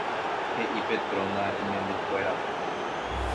He'i Petrona imembykuérape.